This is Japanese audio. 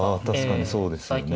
確かにそうですね。